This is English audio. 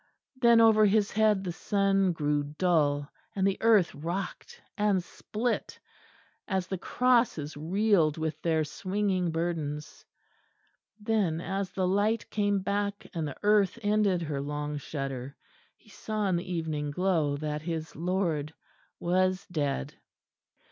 Then over his head the sun grew dull, and the earth rocked and split, as the crosses reeled with their swinging burdens. Then, as the light came back, and the earth ended her long shudder, he saw in the evening glow that his Lord was dead.